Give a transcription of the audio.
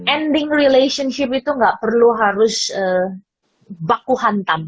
ending relationship itu nggak perlu harus baku hantam